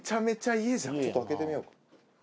ちょっと開けてみようか。